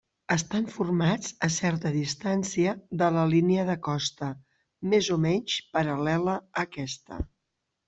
Estan formats a certa distància de la línia de costa, més o menys paral·lela aquesta.